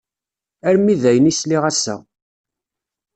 Armi d ayen, i sliɣ ass-a.